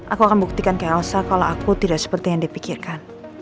aku akan buktikan ke elsa kalau aku tidak seperti yang dipikirkan